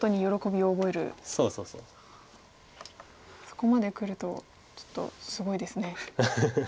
そこまでくるとちょっとすごいですね。